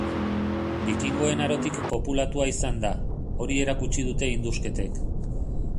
Bikingoen Arotik populatua izan da, hori erakutsi dute indusketek.